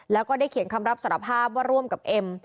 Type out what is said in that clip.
แล้วก็ได้เขียนคำรับสารภาพว่าร่วมกับเอ็ม